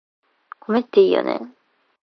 米っていいよね